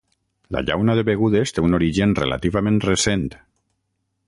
La llauna de begudes té un origen relativament recent.